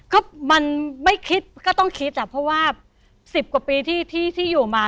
ก็มันไม่คิดก็ต้องคิดอ่ะเพราะว่า๑๐กว่าปีที่อยู่มา